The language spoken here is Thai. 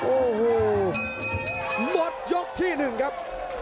โอ้โหหมดยกที่๑ครับ